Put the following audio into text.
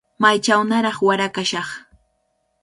Maychawnaraq wara kashaq.